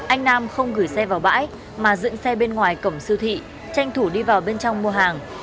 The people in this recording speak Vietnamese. anh nam không gửi xe vào bãi mà dựng xe bên ngoài cổng siêu thị tranh thủ đi vào bên trong mua hàng